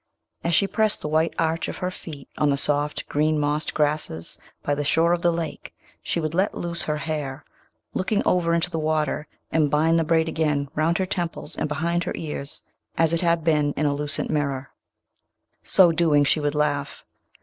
As she pressed the white arch of her feet on the soft green mossed grasses by the shore of the lake she would let loose her hair, looking over into the water, and bind the braid again round her temples and behind her ears, as it had been in a lucent mirror: so doing she would laugh.